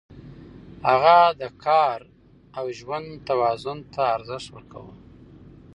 هغه د کار او ژوند توازن ته ارزښت ورکاوه.